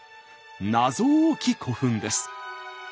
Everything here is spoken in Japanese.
謎多き古墳です。